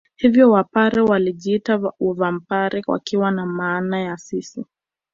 Hivyo Wapare walijiita Vambare wakiwa na maana ya sisi